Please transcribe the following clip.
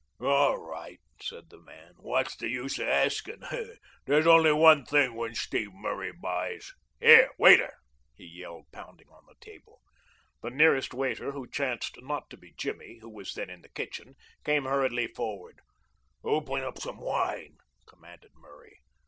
"All right," said the man, "what's the use of asking? There's only one thing when Steve Murray buys. Here, waiter," he yelled, pounding on the table. The nearest waiter, who chanced not to be Jimmy, who was then in the kitchen, came hurriedly forward. "Open up some wine," commanded Murray.